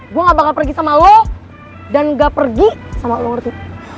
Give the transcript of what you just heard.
gue gak bakal pergi sama lo dan nggak pergi sama lo ngerti